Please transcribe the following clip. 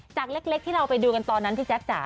เล็กที่เราไปดูกันตอนนั้นพี่แจ๊คจ๋า